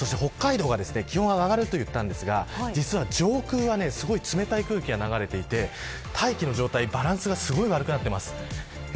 そして北海道が気温が上がると言ったんですが実は上空はすごい冷たい空気が流れていて大気の状態、バランスがすごい悪くなっています。